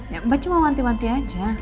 ya mbak cuma nganti nganti aja